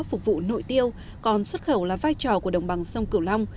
phục vụ nội tiêu còn xuất khẩu là vai trò của đồng bằng sông cửu long